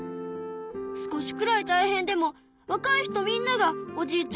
少しくらいたいへんでもわかい人みんながおじいちゃん